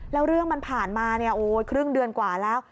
แล้วเรื่องมันผ่านมาครึ่งเดือนกว่าแล้ว